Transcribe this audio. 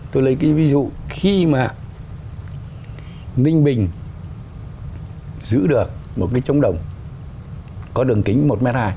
tôi lấy cái ví dụ khi mà ninh bình giữ được một cái trống đồng có đường kính một m hai